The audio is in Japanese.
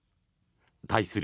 対する